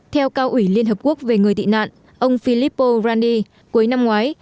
theo cao ủy liên hợp quốc về người tị nạn ông philippo randi cuối năm ngoái